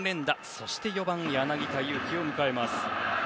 そして４番、柳田悠岐を迎えます。